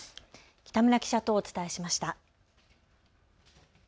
北村記者とお伝えしました。